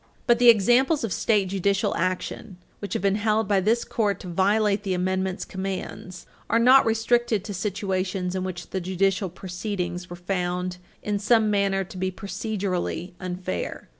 But the examples of state judicial action which have been held by this Court to violate the Amendment's commands are not restricted to situations in which the judicial proceedings were found in some manner to be procedurally unfair.